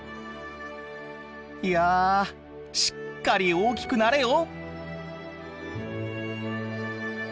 いやしっかり大きくなれよ！